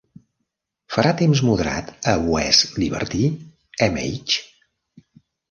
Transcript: Farà temps moderat a West Liberty, MH?